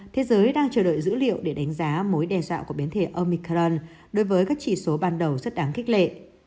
thế giới đang chờ đợi dữ liệu để đánh giá mối đe dọa của biến thể omican đối với các chỉ số ban đầu rất đáng khích lệ